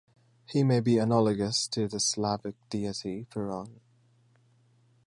He may be analogous to the Slavic deity Perun.